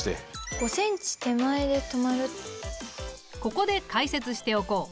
ここで解説しておこう。